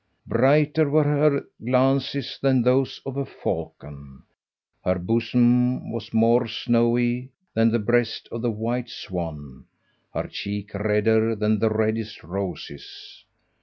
Brighter were her glances than those of a falcon; her bosom was more snowy than the breast of the white swan, her cheek redder than the reddest roses.